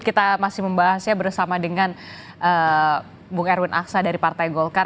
kita masih membahasnya bersama dengan bung erwin aksa dari partai golkar